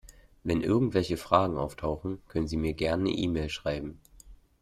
Wenn irgendwelche Fragen auftauchen, können Sie mir gern 'ne E-Mail schreiben.